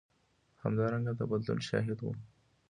همدارنګه د بدلون شاهد و.